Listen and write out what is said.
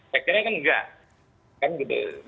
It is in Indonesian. saya kira kan enggak kan gitu